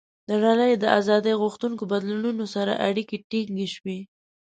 د نړۍ له آزادۍ غوښتونکو بدلونونو سره اړیکې ټینګې شوې.